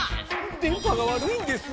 電波がわるいんです！